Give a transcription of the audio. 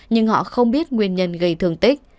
nhưng họ không biết nguyên nhân gây thương tích